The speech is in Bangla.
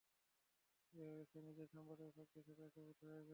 এভাবে সে নিজ সম্প্রদায়ের ভাগ্যের সাথে একীভূত হয়ে যায়।